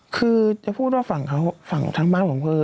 คือจะพูดว่าฝั่งเขาฝั่งทางบ้านผมคือ